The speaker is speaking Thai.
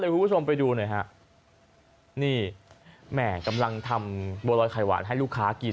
คุณผู้ชมไปดูหน่อยฮะนี่แหม่กำลังทำบัวรอยไข่หวานให้ลูกค้ากิน